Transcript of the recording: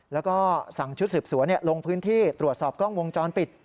แล้วก็สั่งชุดสืบสวนลงพื้นที่ตรวจสอบกล้องวงจรปิด